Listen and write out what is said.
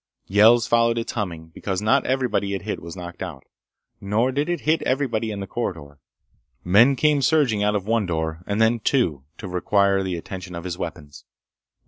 Yells followed its humming, because not everybody it hit was knocked out. Nor did it hit everybody in the corridor. Men came surging out of one door, and then two, to require the attention of his weapons.